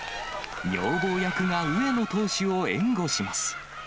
女房役が上野投手を援護します。